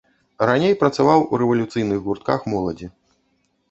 Раней працаваў у рэвалюцыйных гуртках моладзі.